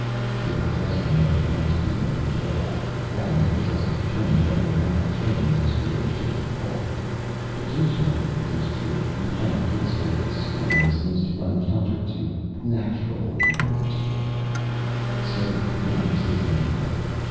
"We always ask them what they want to be when they grow up. That enables us to determine whether or not the training is really taking hold. Occasionally, it is true, we find a case where the schooling seems to run counter to natural aptitudes " Smithy could not resist interrupting.